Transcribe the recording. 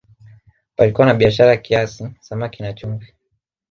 Palikuwa na biashara kiasi samaki na chumvi